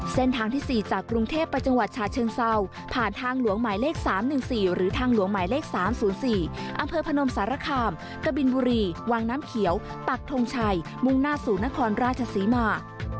เส้นทางที่๔จากกรุงเทพไปจังหวัดฉาเชิงเศร้าผ่านทางหลวงหมายเลข๓๑๔หรือทางหลวงหมายเลข๓๐๔อำเภอพนมสารคามกะบินบุรีวังน้ำเขียวปักทงชัยมุ่งหน้าสู่นครราชศรีมา